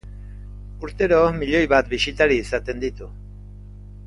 Urtero milioi bat bisitari izaten ditu.